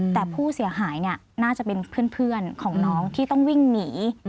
แต่ผู้เสียหายน่าจะเป็นเพื่อนของน้องที่ต้องวิ่งหนี